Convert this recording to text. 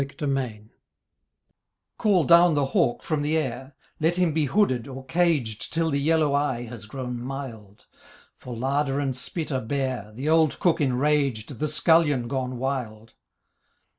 THE HAWK 'Call down the hawk from the air; Let him be hooded or caged Till the yellow eye has grown mild, For larder and spit are bare, The old cook enraged, The scullion gone wild.'